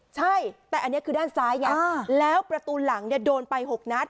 ใช่แต่อันนี้คือด้านซ้ายไงแล้วประตูหลังเนี่ยโดนไป๖นัด